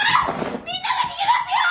みんなが逃げますよ！